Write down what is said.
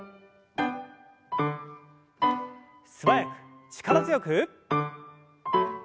素早く力強く。